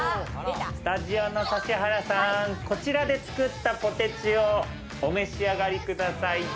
スタジオの指原さん、こちらで作ったポテチをお召し上がりください。